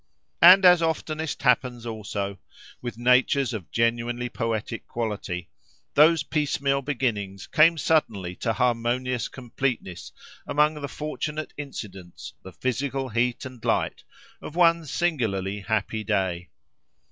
And as oftenest happens also, with natures of genuinely poetic quality, those piecemeal beginnings came suddenly to harmonious completeness among the fortunate incidents, the physical heat and light, of one singularly happy day.